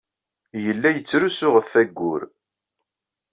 Yella yettrusu ɣef wayyur.